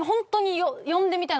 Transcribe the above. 呼んでみたい？